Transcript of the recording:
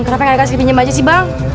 kenapa nggak dikasih pinjam aja sih bang